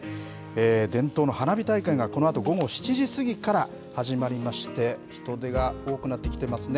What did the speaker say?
伝統の花火大会がこのあと午後７時過ぎから始まりまして、人出が多くなってきてますね。